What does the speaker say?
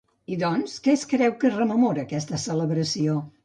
I doncs, què es creu que rememora aquesta celebració?